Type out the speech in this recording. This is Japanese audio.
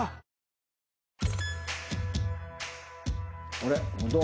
あれ？